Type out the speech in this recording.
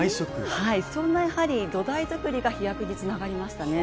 そんな土台作りが飛躍につながりましたね。